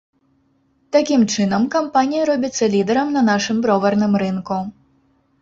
Такім чынам, кампанія робіцца лідарам на нашым броварным рынку.